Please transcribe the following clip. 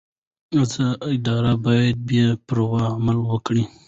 ادارې باید بې پرې عمل وکړي